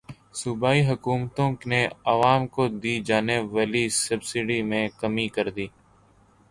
صوبائی حکومتوں نے عوام کو دی جانے والی سبسڈی میں کمی کردی